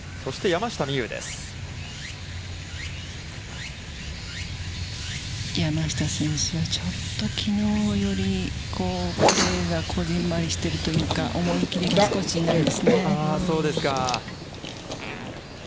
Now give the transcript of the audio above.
山下選手は、ちょっときのうよりプレーが小ぢんまりしているというか、思い切りが少しないですね。